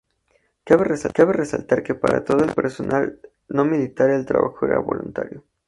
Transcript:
Cabe resaltar que para todo el personal no militar el trabajo era voluntario.